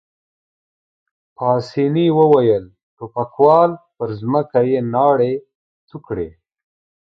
پاسیني وویل: ټوپکوال، پر مځکه يې ناړې تو کړې.